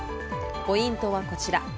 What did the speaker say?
ポイントはこちら。